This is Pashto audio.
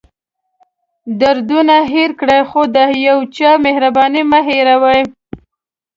دردونه هېر کړئ خو د یو چا مهرباني مه هېروئ.